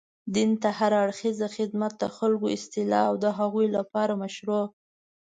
دين ته هر اړخيزه خدمت، د خلګو اصلاح او د هغوی لپاره مشروع